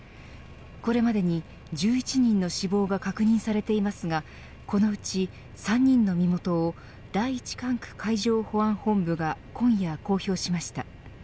これまでに１１人の死亡が確認されていますがこのうち３人の身元を第一管区海上保安本部が今夜公表しました。